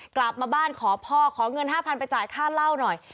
กลับมาบ้านขอพ่อขอเงิน๕๐๐๐ไปจ่ายค่าเหล้าหน่อย